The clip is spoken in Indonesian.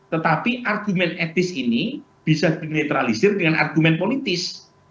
tetapi argumen etis ini bisa dimiliteralisir dengan argumen politis